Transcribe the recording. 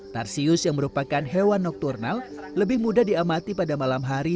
tarsius yang merupakan hewan nokturnal lebih mudah diamati pada malam hari